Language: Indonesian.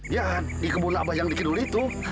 ya di kebun abah yang dikiduli itu